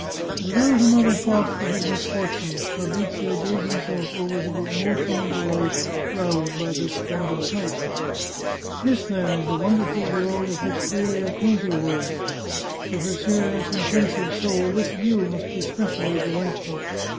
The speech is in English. Without another thought for his misfortunes, Fabrizio gave himself over to the emotion and delight roused by this splendid sight. " This, then, is 326 The Chartreuse of Parma the wonderful world in which Delia Conti lives. To her serious and pensive soul this view must be specially de lightful.